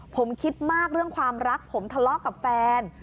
ผมคิดมากเรื่องความรักผมทะเลาะกับแฟน